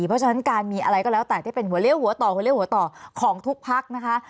เพราะฉะนั้นการมีอะไรก็แล้วแต่ที่เป็นหัวเลี้ยหัวต่อหัวเลี้ยหัวต่อของทุกพักนะคะ